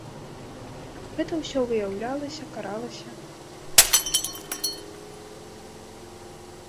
Гэта ўсё выяўлялася, каралася.